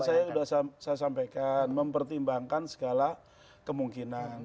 ya tadi kan saya sudah sampaikan mempertimbangkan segala kemungkinan